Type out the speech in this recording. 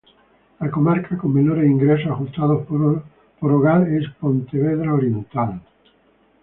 La comarca con menores ingresos ajustados por hogar es Pontevedra Oriental.